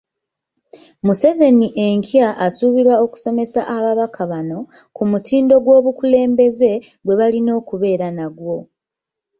Museveni enkya asuubirwa okusomesa ababaka bano ku mutindo gw'obukulembeze gwe balina okubeera nagwo.